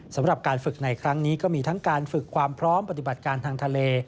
สำหรับการฝึกในครั้งนี้ก็มีทั้งการฝึกความพร้อมปฏิบัติการทางทะเล